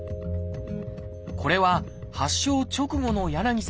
これは発症直後の柳さんの写真。